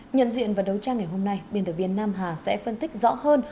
nhận diện và đấu tranh ngày hôm nay biên tập viên nam hà sẽ phân tích rõ hơn